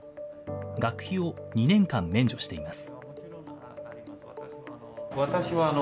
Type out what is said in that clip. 学費を２年間免除しています。